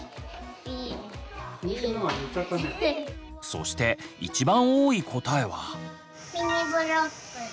そして一番多い答えは？